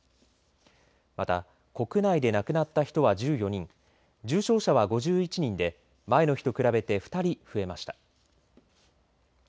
また国内で亡くなった人は１４人重症者は５１人で前の日と比べて２人増えました。